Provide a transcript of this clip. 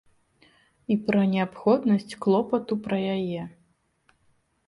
І пра неабходнасць клопату пра яе.